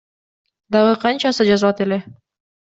Дагы канчасы жазылат эле.